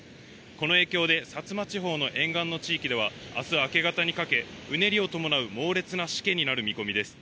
この影響で薩摩地方の沿岸の地域ではあす明け方にかけ、うねりを伴う猛烈なしけになる見込みです。